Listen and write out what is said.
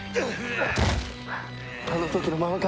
あの時のままか！